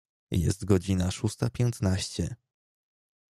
Jest godzina szósta piętnaście.